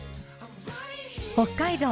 北海道